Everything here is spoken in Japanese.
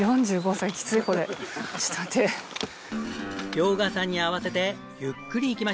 遼河さんに合わせてゆっくり行きましょう。